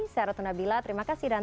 saya ratna bila terima kasih dan